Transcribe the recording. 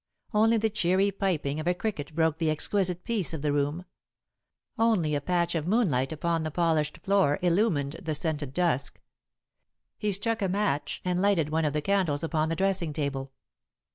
Only the cheery piping of a cricket broke the exquisite peace of the room; only a patch of moonlight, upon the polished floor, illumined the scented dusk. He struck a match, and lighted one of the candles upon the dressing table.